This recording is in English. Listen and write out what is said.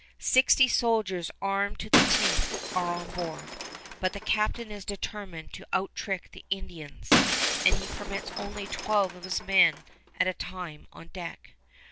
Sixty soldiers armed to the teeth are on board; but the captain is determined to out trick the Indians, and he permits only twelve of his men at a time on deck.